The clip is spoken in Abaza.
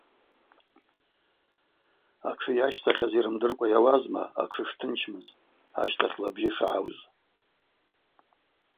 Атшы йащцахьаз йрымдыркӏва йауазма атшы штынчымыз – ащтахьла бжьы шагӏуз.